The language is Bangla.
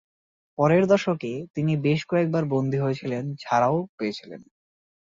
পরের দশকে, তিনি বেশ কয়েকবার বন্দী হয়েছিলেন এবং ছাড়া পেয়েছিলেন।